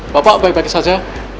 bapak baik baik saja